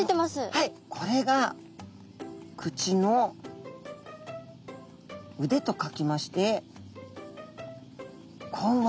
はいこれが口の腕と書きまして口腕。